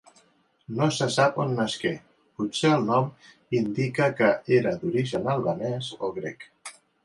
No se sap on nasqué: potser el nom indica que era d'origen albanès o grec.